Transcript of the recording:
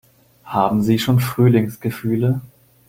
Haben Sie schon Frühlingsgefühle?